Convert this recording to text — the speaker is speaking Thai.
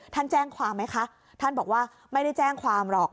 แจ้งความไหมคะท่านบอกว่าไม่ได้แจ้งความหรอก